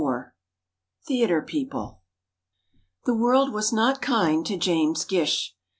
IV "THEATRE PEOPLE" The world was not kind to James Gish.